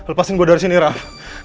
lepasin gue dari sini raff